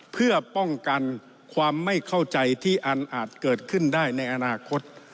เพื่อป้องกันความไม่เข้าใจที่อันอาจเกิดขึ้นได้ในอนาคต